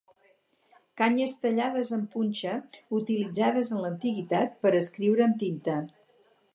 Canyes tallades en punxa utilitzades en l'antiguitat per a escriure amb tinta.